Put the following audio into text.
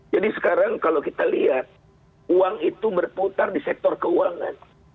jadi sekarang kalau kita lihat uang itu berputar di sektor keuangan